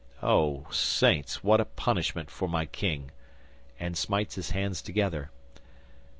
Oh, Saints, what punishment for my King!" and smites his hands together.